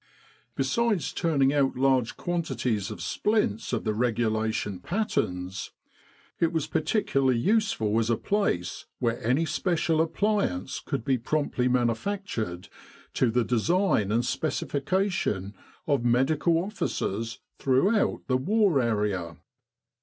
Besides turning With the R.A.M.C. in Egypt out large quantities of splints of the regulation pat terns, it was particularly useful as a place where any special appliance could be promptly manufactured to the design and specification of Medical Officers throughout the war area.